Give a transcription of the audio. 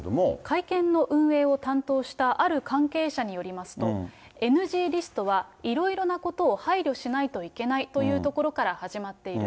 会見運営を担当したある関係者によりますと、ＮＧリストはいろいろなことを配慮しないといけないというところから始まっている。